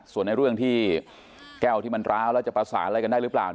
ส่วนในเรื่องที่แก้วที่มันร้าวแล้วจะประสานอะไรกันได้หรือเปล่า